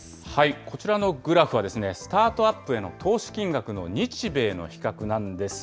こちらのグラフは、スタートアップへの投資金額の日米の比較なんです。